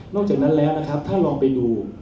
จากนั้นแล้วนะครับถ้าลองไปดู